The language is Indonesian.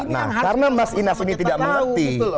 nah karena mas inas ini tidak mengerti